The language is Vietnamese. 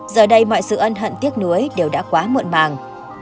giờ đây mọi sự ân hận tiếc nuối đều đã quá muộn màng